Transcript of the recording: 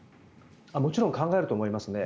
もちろん考えると思いますね。